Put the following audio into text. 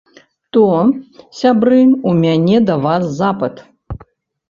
То, сябры, у мяне да вас запыт.